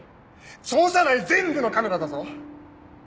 庁舎内全部のカメラだぞ